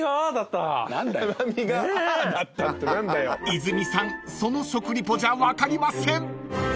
［泉さんその食リポじゃ分かりません］